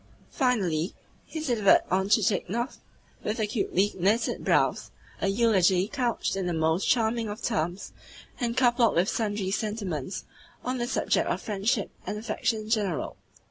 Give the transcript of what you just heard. Finally, he delivered on Chichikov, with acutely knitted brows, a eulogy couched in the most charming of terms, and coupled with sundry sentiments on the subject of friendship and affection in general.